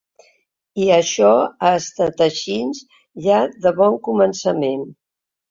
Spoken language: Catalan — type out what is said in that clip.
I això ha estat així ja de bon començament.